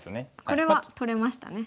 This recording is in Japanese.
これは取れましたね。